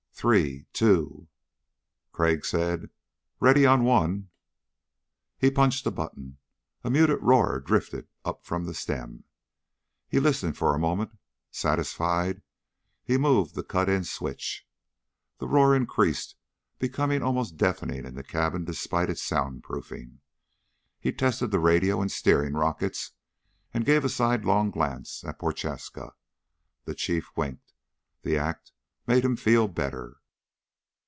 "Three ... two...." Crag said, "Ready on one." He punched a button. A muted roar drifted up from the stem. He listened for a moment. Satisfied, he moved the cut in switch. The roar increased, becoming almost deafening in the cabin despite its soundproofing. He tested the radio and steering rockets and gave a last sidelong glance at Prochaska. The Chief winked. The act made him feel better.